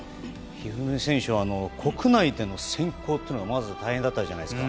一二三選手は国内での選考というのがまず大変だったじゃないですか。